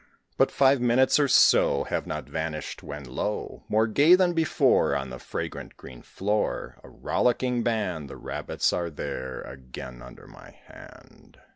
But five minutes, or so, Have not vanished, when, lo! More gay than before, On the fragrant green floor, A rollicking band, The Rabbits are there, again, under my hand!